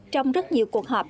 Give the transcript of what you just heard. trong rất nhiều cuộc họp